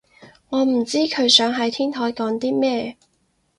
我唔知佢想喺天台講啲咩